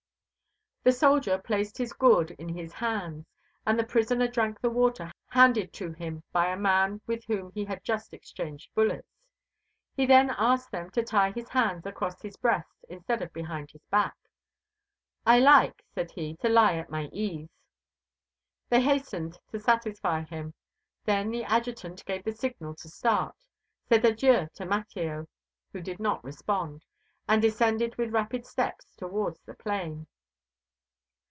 The soldier placed his gourd in his hands, and the prisoner drank the water handed to him by a man with whom he had just exchanged bullets. He then asked them to tie his hands across his breast instead of behind his back. "I like," said he, "to lie at my ease." They hastened to satisfy him; then the Adjutant gave the signal to start, said adieu to Mateo, who did not respond, and descended with rapid steps towards the plain.